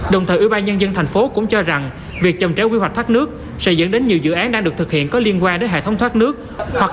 đồng thời ủy ban nhân dân tp hcm cũng cho rằng việc chồng trẻo quy hoạch thoát nước sẽ dẫn đến nhiều dự án đang được thực hiện có liên quan đến hệ thống thoát nước